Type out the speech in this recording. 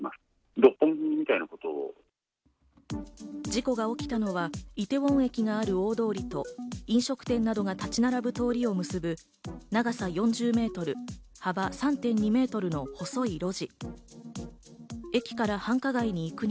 事故が起きたのはイテウォン駅のある大通りと、飲食店などが立ち並ぶ通りを結ぶ、長さ４０メートル、幅３．２メートルの細い路地。